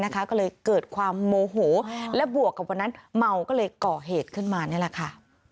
ก็เลยเกิดความโมโหและบวกกับวันนั้นเมาก็เลยก่อเหตุขึ้นมานี่แหละค่ะ